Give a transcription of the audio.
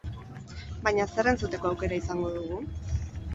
Baina zer entzuteko aukera izango dugu?